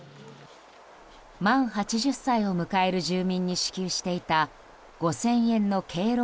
満８０歳を迎える住民に支給していた５０００円の敬老